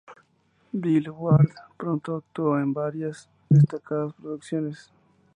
Bill, Ward pronto actuó en varias destacadas producciones.